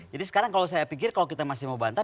jadi sekarang kalau saya pikir kalau kita masih mau bantah